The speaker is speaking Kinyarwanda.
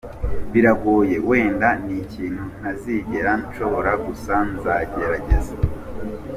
Biragoye, wenda ni ikintu ntazigera nshobora gusa nzagerageza.